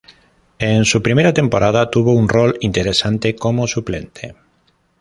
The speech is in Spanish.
En su primera temporada tuvo un rol interesante como suplente.